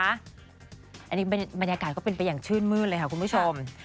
อันนี้บรรยากาศก็เป็นไปอย่างชื่นมืดเลยค่ะคุณผู้ชม